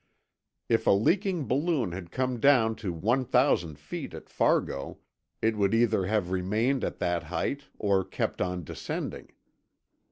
If a leaking balloon had come down to one thousand feet at Fargo, it would either have remained at that height or kept on descending.